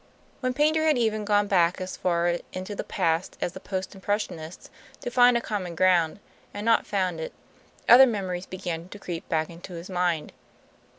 When Paynter had even gone back as far into the past as the Post Impressionists to find a common ground, and not found it, other memories began to creep back into his mind.